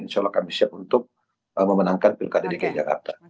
insya allah kami siap untuk memenangkan pilkada dki jakarta